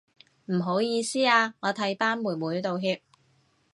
唔好意思啊，我替班妹妹道歉